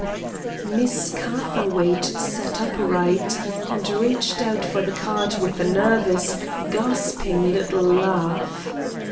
Miss Catherwaight sat upright, and reached out for the card with a nervous, gasping little laugh.